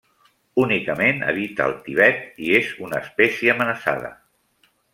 Únicament habita el Tibet i és una espècie amenaçada.